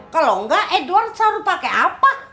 kalau enggak edward selalu pakai apa